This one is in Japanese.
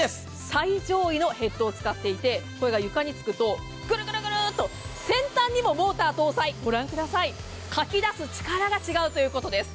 最上位のヘッドを使っていて、これが床につくとぐるぐるぐると先端にもモーター搭載、かき出す力が違うということです。